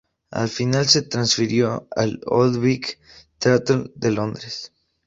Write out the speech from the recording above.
Al final se transfirió al Old Vic Theatre de Londres.